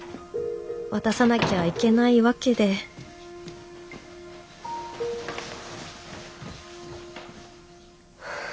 渡さなきゃいけないわけではあ。